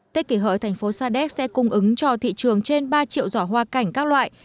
tết kỷ hợi thành phố sa đéc sẽ cung ứng cho thị trường trên ba triệu giỏ hoa cảnh các loại